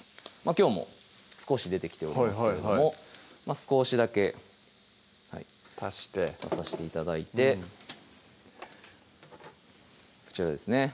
きょうも少し出てきておりますけれども少しだけ足して足さして頂いてこちらですね